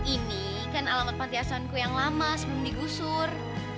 ini kan alamat panti asuhanku yang lama sebelum digusur